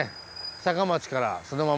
坂町からそのまま。